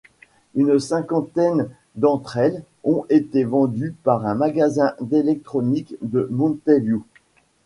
Une cinquantaine d'entre elles ont été vendues par un magasin d'électronique de Mountain View.